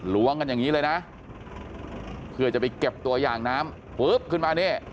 ล้วงกันอย่างนี้เลยนะเพื่อจะไปเก็บตัวอย่างน้ำปุ๊บขึ้นมานี่